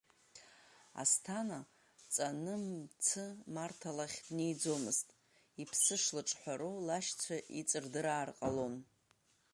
Асҭана ҵаны-мцы Марҭа лахь днеиӡомызт, иԥсы шлыҿҳәароу лашьцәа иҵырдыраар ҟалон…